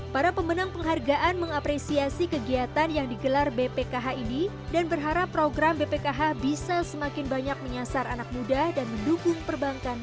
para pemenang penghargaan mengapresiasi kegiatan yang digelar bpkh ini dan berharap program bpkh bisa semakin banyak menyasar anak muda dan mendukung perbankan